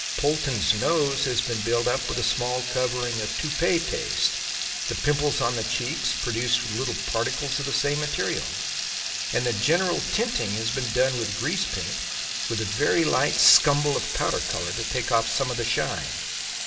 Polton's nose has been built up with a small covering of toupée paste, the pimples on the cheeks produced with little particles of the same material; and the general tinting has been done with grease paint with a very light scumble of powder colour to take off some of the shine.